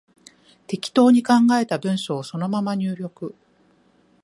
適当に考えた文章をそのまま入力